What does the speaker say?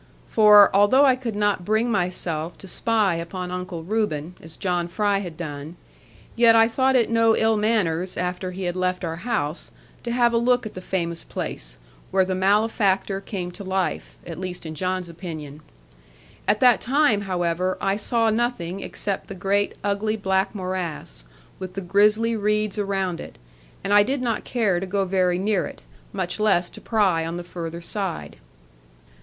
For, although I could not bring myself to spy upon Uncle Reuben, as John Fry had done, yet I thought it no ill manners, after he had left our house, to have a look at the famous place, where the malefactor came to life, at least in John's opinion. At that time, however, I saw nothing except the great ugly black morass, with the grisly reeds around it; and I did not care to go very near it, much less to pry on the further side.